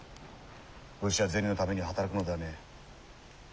武士は銭のために働くのではねえ。